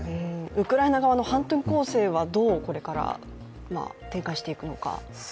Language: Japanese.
ウクライナ側の反転攻勢はどうこれから展開していくのか。